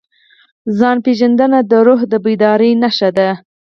ځان پېژندنه د روح د بیدارۍ نښه ده.